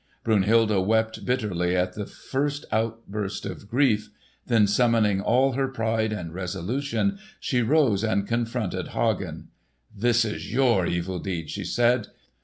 Brunhilde wept bitterly in the first outburst of grief. Then summoning all her pride and resolution, she rose and confronted Hagen. "This is your evil deed!" she said.